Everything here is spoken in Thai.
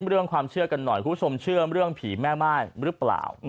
เรื่องความเชื่อกันหน่อยคุณผู้ชมเชื่อเรื่องผีแม่ม่ายหรือเปล่า